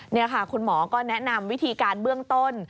นี่ค่ะคุณหมอก็แนะนำวิธีการเบื้องต้น